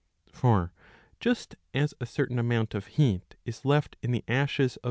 For just as a certain amount of heat is left in the ashes of.